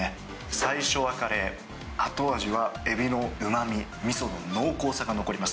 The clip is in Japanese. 最初はカレー、後味はエビのうまみ、みその濃厚さが残ります。